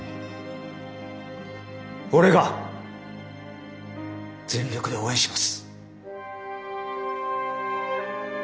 俺が全力で応援します。